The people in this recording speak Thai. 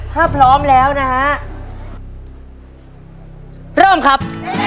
ถ้าพร้อมแล้วนะฮะเริ่มครับ